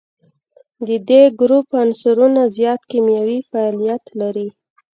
د دې ګروپ عنصرونه زیات کیمیاوي فعالیت لري.